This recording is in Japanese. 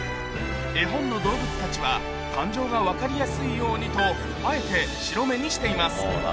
絵本の動物たちは、感情が分かりやすいようにと、あえて白目にしています。